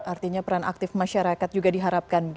artinya peran aktif masyarakat juga diharapkan